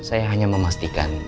saya hanya memastikan